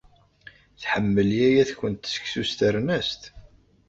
Tḥemmel yaya-tkent seksu s ternast?